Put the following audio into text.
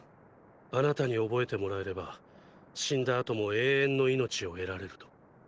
あなたに覚えてもらえれば死んだ後も永遠の命を得られると。